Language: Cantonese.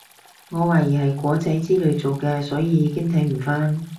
我懷疑係果籽之類做嘅所以已經睇唔返